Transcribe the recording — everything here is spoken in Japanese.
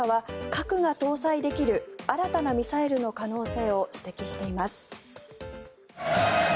専門家は核が搭載できる新たなミサイルの可能性を指摘しています。